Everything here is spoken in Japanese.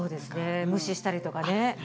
無視をしたりとかね。